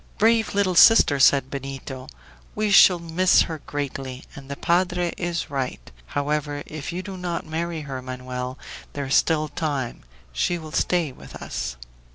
"Brave little sister!" said Benito, "we shall miss her greatly, and the padre is right. However, if you do not marry her, Manoel there is still time she will stay with us."